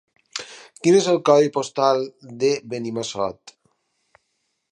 Quin és el codi postal de Benimassot?